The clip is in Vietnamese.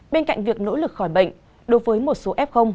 bên cạnh việc nỗ lực khỏi bệnh đối với một số f